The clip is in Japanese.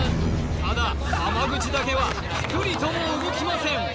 ただ浜口だけはピクリとも動きません